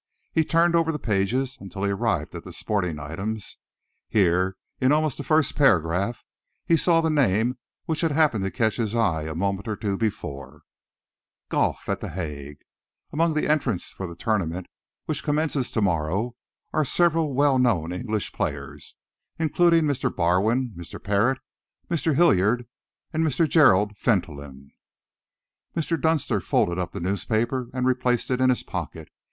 He turned over the pages until he arrived at the sporting items. Here, in almost the first paragraph, he saw the name which had happened to catch his eye a moment or two before: GOLF AT THE HAGUE Among the entrants for the tournament which commences to morrow, are several well known English players, including Mr. Barwin, Mr. Parrott, Mr. Hillard and Mr. Gerald Fentolin. Mr. Dunster folded up the newspaper and replaced it in his pocket.